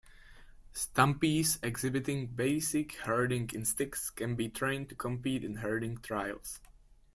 "Stumpies" exhibiting basic herding instincts can be trained to compete in herding trials.